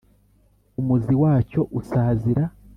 Umuzi wacyo usazira